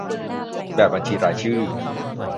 แบบบัญชีรายชื่อ